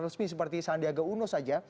resmi seperti sandiaga uno saja